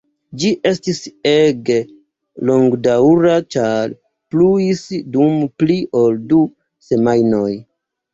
Ĝi estis ege longdaŭra ĉar pluis dum pli ol du semajnoj.